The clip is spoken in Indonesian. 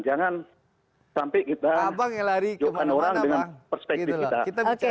jangan sampai kita jokan orang dengan perspektif kita